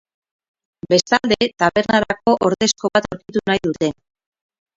Bestalde, tabernarako ordezko bat aurkitu nahi dute.